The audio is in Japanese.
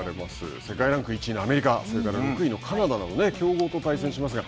世界ランク１位のアメリカ、それから６位のカナダなど強豪と対戦しますが。